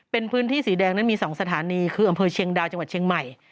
เป็นพื้นที่สีแดงนั้นมี๒สถานีคืออำเภอเชียงดาวจังหวัดเชียงใหม่